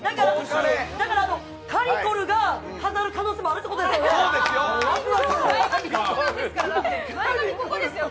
だから、かりこるが飾る可能性もあるってことですよね。